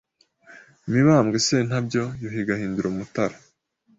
Mibambwe Sentabyo Yuhi Gahindiro Mutara